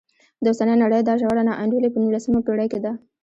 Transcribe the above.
د اوسنۍ نړۍ دا ژوره نا انډولي په نولسمه پېړۍ کې ده.